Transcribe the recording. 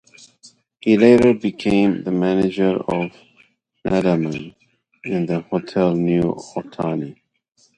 He later became the manager of "Nadaman" in the "Hotel New Otani".